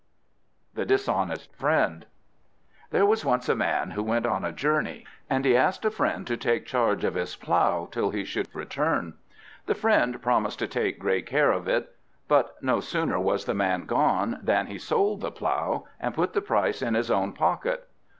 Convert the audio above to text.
THE DISHONEST FRIEND There was once a man who went on a journey, and he asked a friend to take charge of his plough till he should return. The friend promised to take great care of it. But no sooner was the man gone than he sold the plough and put the price in his own pocket.